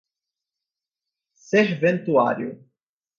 serventuário